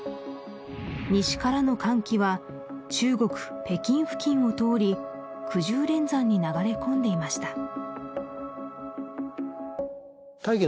西からの寒気は中国・北京付近を通りくじゅう連山に流れ込んでいました